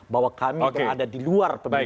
bahwa kami tidak ada di luar pemerintahan